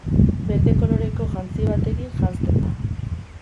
Berde koloreko jantzi batekin janzten da.